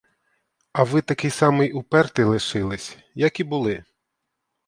А ви такий самий упертий лишились, як і були.